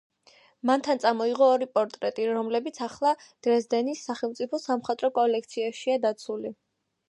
მან თან წამოიღო ორი პორტრეტი, რომლებიც ახლა დრეზდენის სახელმწიფო სამხატვრო კოლექციაშია დაცული.